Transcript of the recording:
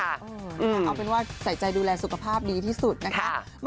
เอาเป็นว่าใส่ใจดูแลสุขภาพดีที่สุดนะคะ